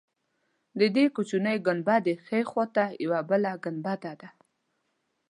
د دې کوچنۍ ګنبدې ښی خوا ته یوه بله ګنبده ده.